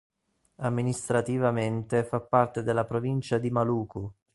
Amministrativamente fa parte della provincia di Maluku.